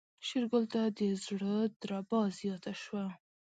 شېرګل ته د زړه دربا زياته شوه.